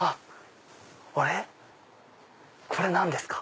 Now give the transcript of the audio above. あれ⁉これ何ですか？